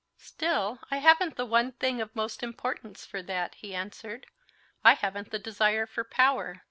"Still I haven't the one thing of most importance for that," he answered; "I haven't the desire for power.